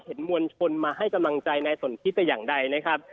มวลชนมาให้กำลังใจนายสนทิศแต่อย่างใดนะครับ